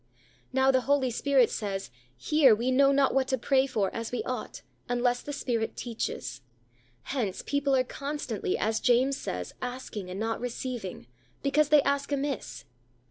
Now, the Holy Spirit says, here we know not what to pray for as we ought, unless the Spirit teaches; hence people are constantly, as James says, asking and not receiving, because they ask amiss.